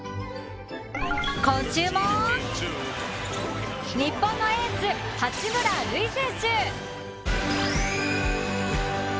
今週も日本のエース八村塁選手。